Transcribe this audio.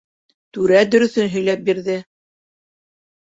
Түрә дөрөҫөн һөйләп бирҙе.